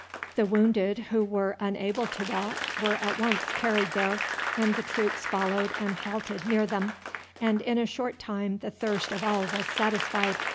The wounded who were unable to walk were at once carried there, and the troops followed and halted near them, and in a short time the thirst of all was satisfied.